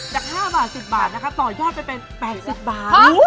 แต่๕บาท๑๐บาทต่อยยอดไปเป็น๘๐บาท